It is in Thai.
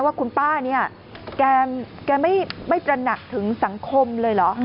ว่าคุณป้าเนี่ยแกไม่ตระหนักถึงสังคมเลยเหรอ